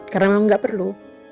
karena memang gak perlu